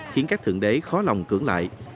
khiến các thượng đế khó lòng cưỡng lại